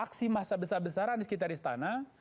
aksi masa besar besaran di sekitar istana